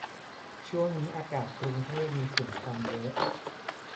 ช่วงนี้อากาศกรุงเทพมีฝุ่นควันเยอะ